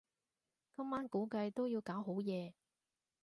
今晚估計都要搞好夜